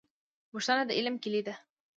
پوښتنه د علم کیلي ده